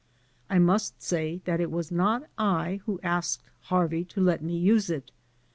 I must say that it was not I who had asked Harvey to let me use it.